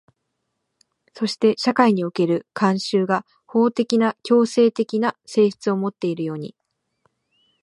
そして社会における慣習が法的な強制的な性質をもっているように、